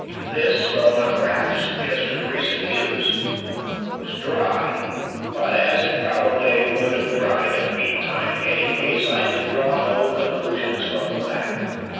This though unwrapped, suggesting recent use, was dry, but as it probably would have dried in the meanwhile in any case, I could draw no conclusions from the fact."